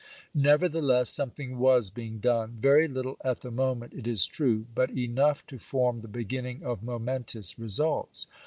Nevertheless, something was being done; very little at the moment, it is true, but enough to form the beginning of momentous results.